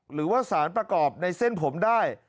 หรือว่าสารประกอบในเส้นผมได้